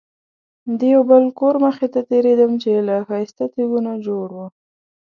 د یو بل کور مخې ته تېرېدم چې له ښایسته تیږو نه جوړ و.